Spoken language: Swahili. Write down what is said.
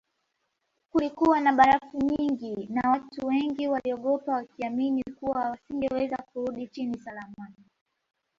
Kulikuwa na barafu nyingi na watu wengi waliogopa wakiamini kuwa wasingeweza kurudi chini salama